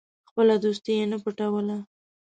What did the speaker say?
خپله دوستي یې نه پټوله.